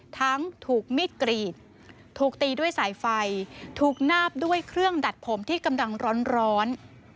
ทั้งถูกมีดกรีดถูกตีด้วยสายไฟถูกนาบด้วยเครื่องดัดผมที่กำลังร้อน